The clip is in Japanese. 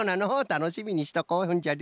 たのしみにしとこうそんじゃね。